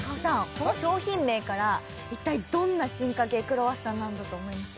この商品名から一体どんな進化系クロワッサンなんだと思います？